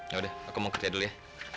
ya udah aku mau kerja dulu ya